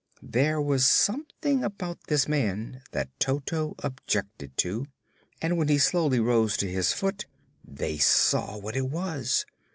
There was something about this man that Toto objected to, and when he slowly rose to his foot they saw what it was.